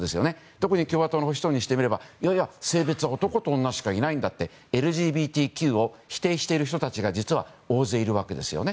特に共和党の保守層にしてみればいやいや、性別は男と女しかいないんだってＬＧＢＴＱを否定している人たちが実は大勢いるわけですよね。